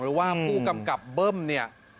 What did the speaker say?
หรือว่าผู้กำกับเบิ้มเนี่ย